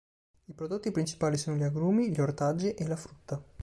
I prodotti principali sono gli agrumi, gli ortaggi e la frutta.